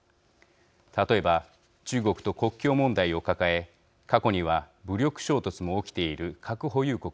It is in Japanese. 例えば中国と国境問題を抱え過去には武力衝突も起きている核保有国のインドです。